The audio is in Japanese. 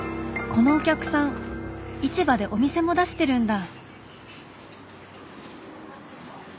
このお客さん市場でお店も出してるんだ。